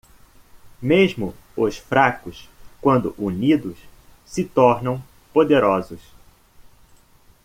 Mesmo os? fracos quando unidos? se tornam poderosos.